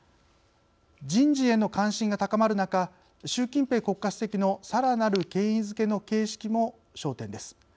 人事への関心が高まる中習近平国家主席のさらなる権威づけの形式も焦点です。